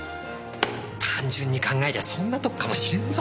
単純に考えりゃそんなとこかもしれんぞ。